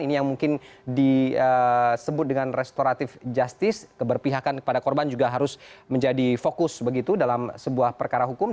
ini yang mungkin disebut dengan restoratif justice keberpihakan kepada korban juga harus menjadi fokus begitu dalam sebuah perkara hukum